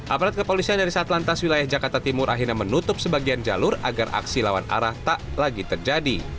aparat kepolisian dari satlantas wilayah jakarta timur akhirnya menutup sebagian jalur agar aksi lawan arah tak lagi terjadi